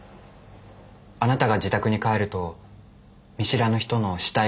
あなたが自宅に帰ると見知らぬ人の死体がありました。